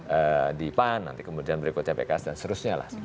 pada pan kemudian berikutnya pks dan seterusnya lah